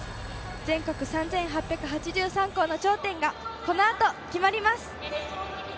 全国３８８３校の頂点がこの後、決まります。